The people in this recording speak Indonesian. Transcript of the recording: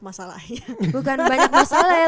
masalah ya bukan banyak masalah ya